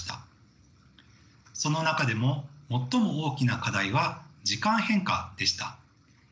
その中でも最も大きな課題は時間変化でした。